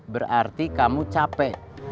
berarti kamu capek